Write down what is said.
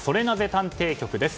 探偵局です。